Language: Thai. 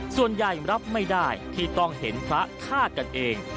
ส่วนใหญ่รับไม่ได้ที่ต้องเห็นพระฆ่ากันเอง